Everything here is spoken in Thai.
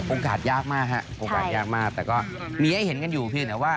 ยากมากฮะโอกาสยากมากแต่ก็มีให้เห็นกันอยู่เพียงแต่ว่า